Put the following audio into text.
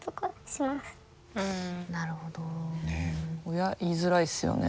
親言いづらいっすよね